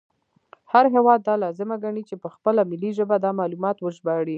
هر هیواد دا لازمه ګڼي چې په خپله ملي ژبه دا معلومات وژباړي